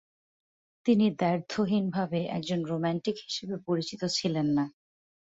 তিনি দ্ব্যর্থহীনভাবে একজন রোমান্টিক হিসাবে পরিচিত ছিলেন না।